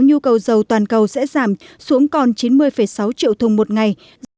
nhu cầu dầu toàn cầu sẽ giảm xuống còn chín mươi sáu triệu thùng một ngày